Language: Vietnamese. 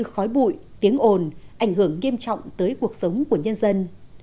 khói bụi tiếng ồn ảnh hưởng nghiêm trọng tới cuộc sống của nhân dân